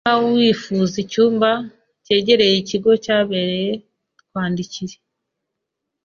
Niba wifuza icyumba cyegereye ikigo cyabereye, twandikire.